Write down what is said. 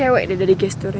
itu cewek deh dari gesture nya